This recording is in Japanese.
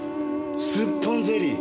すっぽんゼリー。